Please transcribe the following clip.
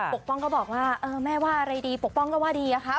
ป้องก็บอกว่าเออแม่ว่าอะไรดีปกป้องก็ว่าดีอะครับ